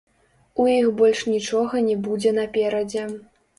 У іх больш нічога не будзе наперадзе.